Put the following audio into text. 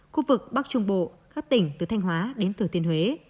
khu vực bắc trung bộ các tỉnh từ thanh hóa đến thừa thiên huế